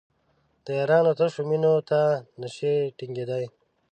د یارانو تشو مینو ته نشي ټینګېدای.